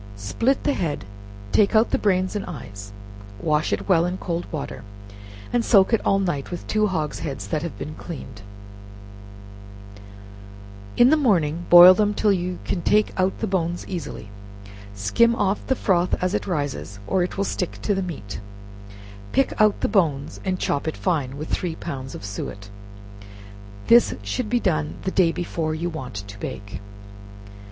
Split the head, take out the brains and eyes, wash it well in cold water, and soak it all night with two hog's heads that have been cleaned; in the morning, boil them till you can take out the bones easily; skim off the froth as it rises, or it will stick to the meat; pick out the bones, and chop it fine, with three pounds of suet. This should be done the day before you want to bake.